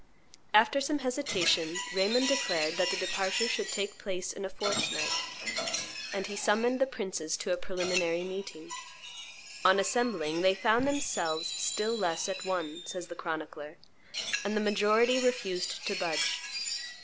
After some hesitation, Raymond declared that the departure should take place in a fortnight, and he summoned the princes to a preliminary meeting. On assembling "they found themselves still less at one," says the chronicler, and the majority refused to budge.